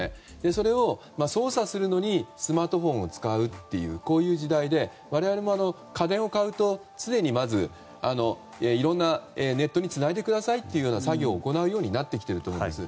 そういうのを操作するためにスマートフォンを使うという時代で、我々も家電を買うとまずネットにつないでくださいという作業を行うようになってきていると思うんです。